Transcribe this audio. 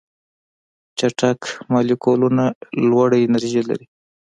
چټک مالیکولونه لوړه انرژي لري.